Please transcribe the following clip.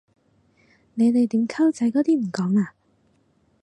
你哋點溝仔嗰啲唔講嘞？